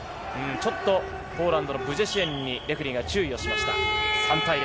ちょっとポーランドのブジェシエンにレフェリーが注意をしました。